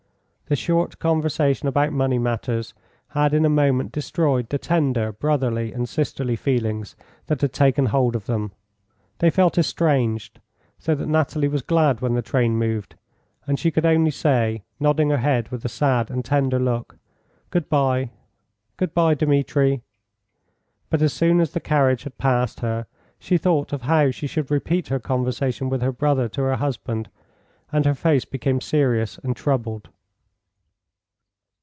The short conversation about money matters had in a moment destroyed the tender brotherly and sisterly feelings that had taken hold of them. They felt estranged, so that Nathalie was glad when the train moved; and she could only say, nodding her head with a sad and tender look, "Goodbye, good bye, Dmitri." But as soon as the carriage had passed her she thought of how she should repeat her conversation with her brother to her husband, and her face became serious and troubled.